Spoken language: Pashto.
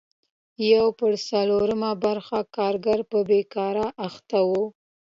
یو پر څلورمه برخه کارګر په بېګار اخته وو.